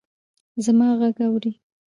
زما ږغ اورې!